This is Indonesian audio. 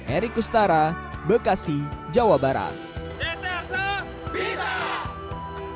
erick ustara bekasi jawa barat bisa